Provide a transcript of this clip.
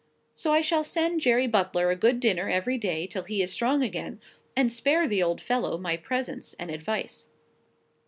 So I shall send Jerry Butler a good dinner every day till he is strong again; and spare the poor old fellow my presence and advice."